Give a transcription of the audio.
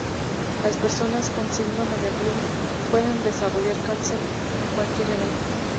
Las personas con síndrome de Bloom pueden desarrollar cáncer a cualquier edad.